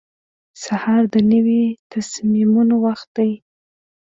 سهار د نوي تصمیمونو وخت دی.